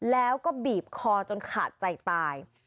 แล้วก็บีบคอจนขาดใจตาย